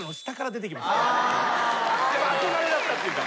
憧れだったっていうか。